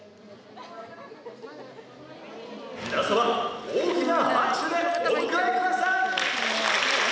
皆さま大きな拍手でお迎え下さい！